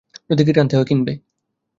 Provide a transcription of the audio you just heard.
যদি কিট কিনতে হয়, কিনবে।